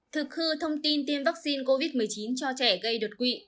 thực hư thông tin tiêm vaccine covid một mươi chín cho trẻ gây đột quỵ